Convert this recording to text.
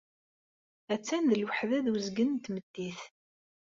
Attan d lweḥda d uzgen n tmeddit.